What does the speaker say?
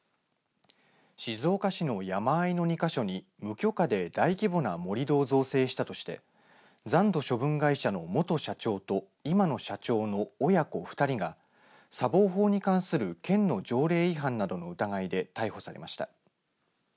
静岡市の山あいの２か所に無許可で大規模な盛り土を造成したとして残土処分会社の元社長と今の社長の親子２人が砂防法に関する県の条例違反などの疑いで逮捕されました。